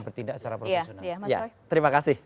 bertindak secara profesional ya terima kasih